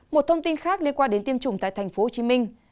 một thông tin khác liên quan đến tiêm chủng tại tp hcm